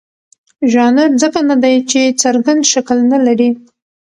ژانر ځکه نه دی چې څرګند شکل نه لري.